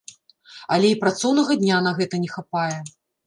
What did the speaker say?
Але і працоўнага дня на гэта не хапае.